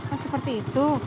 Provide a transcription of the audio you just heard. oh seperti itu